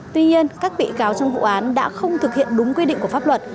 tuy nhiên các bị cáo trong vụ án đã không thực hiện đúng quy định của pháp luật